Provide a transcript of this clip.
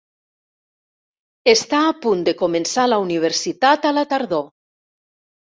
Està a punt de començar la universitat a la tardor.